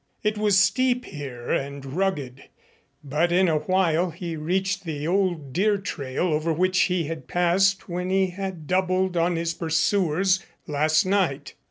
It was steep here and rugged, but in a while he reached the old deer trail over which he had passed when he had doubled on his pursuers last night.